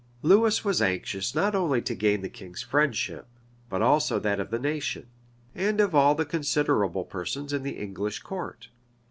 Lewis was anxious not only to gain the king's friendship but also that of the nation, and of all the considerable persons in the English court.